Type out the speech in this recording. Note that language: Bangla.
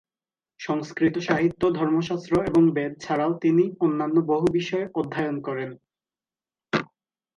সংস্কৃত সাহিত্য, ধর্মশাস্ত্র এবং বেদ ছাড়াও তিনি অন্যান্য বহু বিষয়ে অধ্যয়ন করেন।